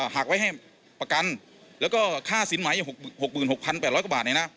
หากไว้ให้ประกันแล้วก็ค่าสินใหม่๖๖๘๐๐กว่าบาทเนี่ยนะ